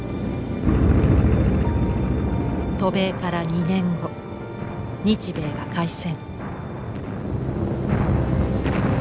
渡米から２年後日米が開戦。